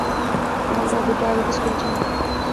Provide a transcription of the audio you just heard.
আমার দাদুর ডায়াবেটিস কমছে না।